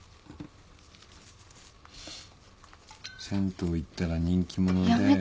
銭湯行ったら人気者で。